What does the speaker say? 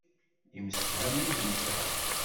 Yemsefham yid-nteɣ.